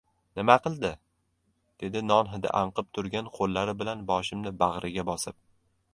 Nima qildi? - dedi non hidi anqib turgan qo‘llari bilan boshimni bag‘riga bosib.